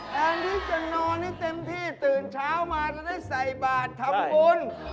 แทนที่จะนอนให้เต็มที่ตื่นเช้ามาจะได้ใส่บาททำบุญ